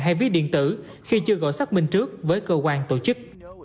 hay ví điện tử khi chưa gọi xác minh trước với cơ quan tổ chức